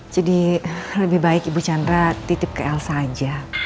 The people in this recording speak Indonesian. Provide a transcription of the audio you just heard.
jadi lebih baik ibu chandra titip ke elsa aja